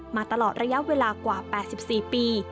มาตลอดระยะเวลากว่า๘๔ปี